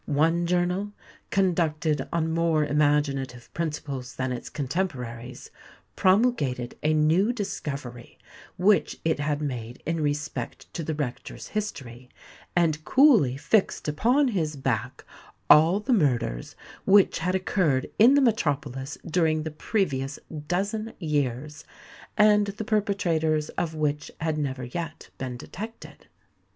One journal, conducted on more imaginative principles than its contemporaries, promulgated a new discovery which it had made in respect to the rector's history, and coolly fixed upon his back all the murders which had occurred in the metropolis during the previous dozen years, and the perpetrators of which had never yet been detected.